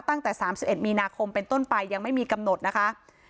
ตั้งแต่๓๑มีนาคมเป็นต้นไปยังไม่มีกำหนดนะคะ